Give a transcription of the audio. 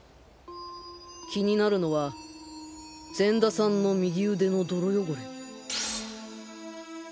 気になるのは善田さんの右腕の泥汚れ